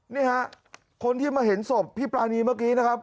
นี่ฮะคนที่มาเห็นศพพี่ปรานีเมื่อกี้นะครับ